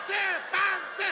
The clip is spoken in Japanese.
パンツー！